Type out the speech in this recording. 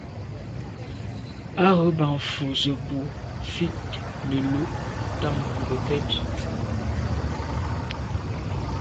Á rə̌ bā mfū zə̄ bú fí nə̌ lǔ’ tɑ̂mə̀ ngokɛ́t.